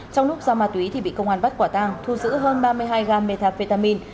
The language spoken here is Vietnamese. trong lúc do ma túy thì bị công an bắt quả tang thu giữ hơn ba mươi hai gram methamphetamine